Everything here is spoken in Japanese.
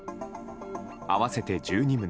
合わせて１２棟